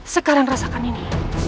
sekarang rasakan ini